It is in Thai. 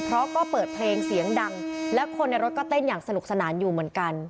เพราะก็เปิดเพลงเสียงดังและคนในรถก็เต้นอย่างสนุกสนานอยู่เหมือนกัน